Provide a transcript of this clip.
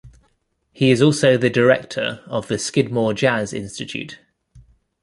He is also the Director of the Skidmore Jazz Institute.